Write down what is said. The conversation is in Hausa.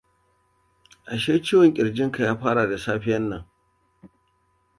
a sai ciwon kirjin ka ya fara da safiya nan